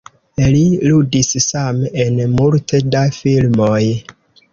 Li ludis same en multe da filmoj.